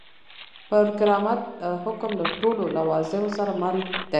پر کرامت حکم له ټولو لوازمو سره مل دی.